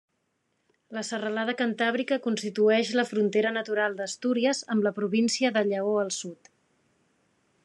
La serralada Cantàbrica constitueix la frontera natural d'Astúries amb la província de Lleó al sud.